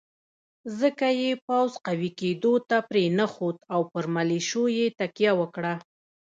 ځکه یې پوځ قوي کېدو ته پرېنښود او پر ملېشو یې تکیه وکړه.